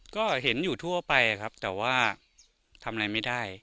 ก็เห็นอยู่ทั่วไปครับแต่ว่าทำอะไรไม่ได้